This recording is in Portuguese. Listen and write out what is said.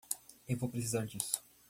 Eu vou precisar disso.